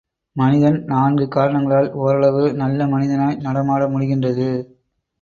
மனிதன் நான்கு காரணங்களால் ஓரளவு நல்ல மனிதனாய் நடமாட முடிகின்றது.